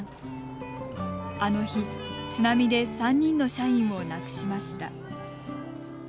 あの日、津波で３人の社員を亡くしました。